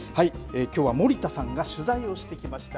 きょうは森田さんが取材をしてきました。